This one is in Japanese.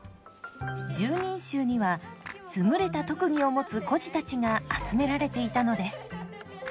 拾人衆には優れた特技を持つ孤児たちが集められていたのです。